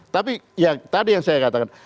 tapi ya tadi yang saya katakan